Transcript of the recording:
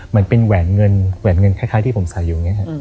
มันเป็นแหวนเงินแค่ที่ผมใส่อยู่ไงฮะ